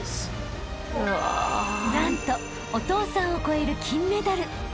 ［何とお父さんを超える金メダル］